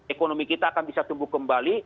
ekonomi kita akan bisa tumbuh kembali